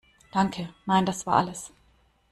Danke, nein das war alles.